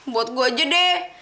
buat gue aja deh